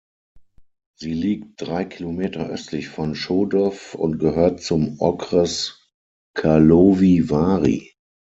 Sie liegt drei Kilometer östlich von Chodov und gehört zum Okres Karlovy Vary.